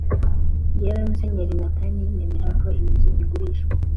njyewe Musenyeri Nathan nemeje ko iyinzu igurishwa